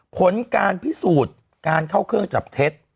ผลการพิสูจน์การเข้าเครื่องจับเท็จ